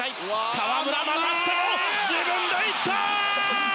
河村、またしても自分で行った！